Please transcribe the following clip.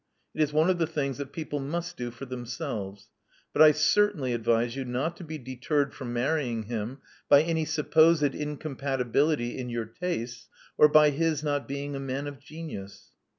It is one of the things that people must do for themselves. But I certainly advise you not to be deterred from marrying him by any supposed incompatibility in your tastes, or by his not being a man of genius.